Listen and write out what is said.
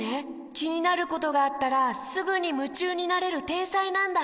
きになることがあったらすぐにむちゅうになれるてんさいなんだ！